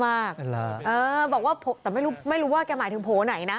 บอกว่าแต่ไม่รู้ว่าแกหมายถึงโผล่ไหนนะ